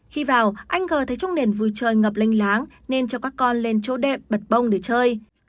khi vào anh g thấy trong nền vui trời ngập lanh láng nên cho các con lên chỗ đệm bật bông để chơi